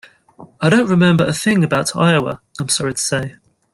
I don't remember a thing about Iowa, I'm sorry to say.